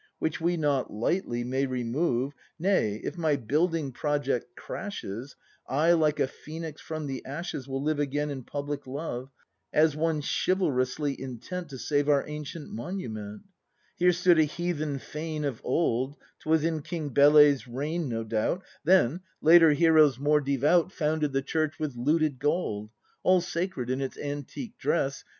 Which we not lightly may remove. Nay, if my building project crashes, I, like a Phoenix from the ashes, W^ill live again in public love. As one chivalrously intent To save our ancient monument! Here stood a heathen fane of old, — 'Twas in King Bele's reign, no doubt; Then, later heroes more devout ACT IV] BRAND 179 Founded the Church with looted gold. All sacred in its antique dress.